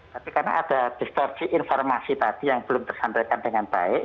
tapi karena ada distorsi informasi tadi yang belum tersampaikan dengan baik